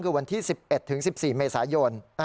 คือวันที่๑๑ถึง๑๔เมษายน